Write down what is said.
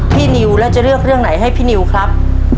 นิวแล้วจะเลือกเรื่องไหนให้พี่นิวครับ